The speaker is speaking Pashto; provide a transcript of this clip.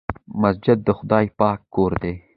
مسجد د خدای پاک کور دی.